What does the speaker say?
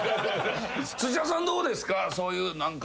土屋さんどうですか？